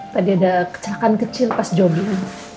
tadi ada kecelakaan kecil pas jobling